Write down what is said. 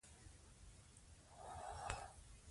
زه په خپل ژوند کې مثبت بدلون غواړم.